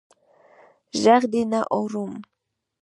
ږغ دي نه اورم.